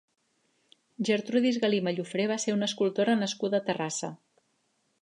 Gertrudis Galí Mallofré va ser una escultora nascuda a Terrassa.